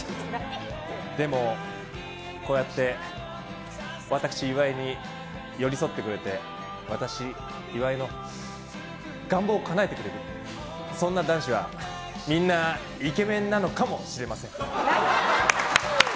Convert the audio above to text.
でも、こうやって私、岩井に寄り添ってくれて私、岩井の願望をかなえてくれるそんな男子はみんなイケメンなのかもしれません。